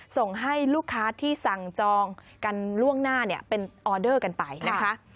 ส่งให้ลูกค้าที่สั่งจองกันล่วงหน้าเป็นออเดอร์กันไปนะคะ